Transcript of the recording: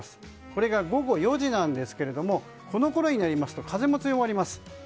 これが午後４時ですがこのころになりますと風も強まります。